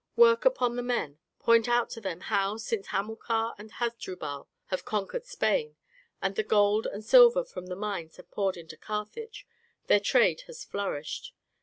Work upon the men, point out to them how, since Hamilcar and Hasdrubal have conquered Spain, and the gold and silver from the mines have poured into Carthage, their trade has flourished.